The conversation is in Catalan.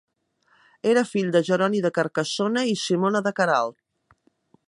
Era fill de Jeroni de Carcassona i Simona de Queralt.